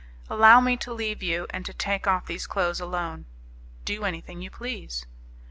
"Allow me to leave you, and to take off these clothes alone." "Do anything you please."